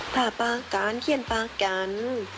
ถ่าปากการเขียนพร้อม